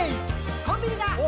「コンビニだ！